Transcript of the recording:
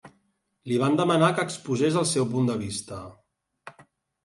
Li van demanar que exposés el seu punt de vista.